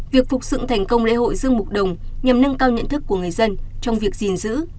việc phục dựng thành công lễ hội dương bục đồng nhằm nâng cao nhận thức của người dân trong việc gìn giữ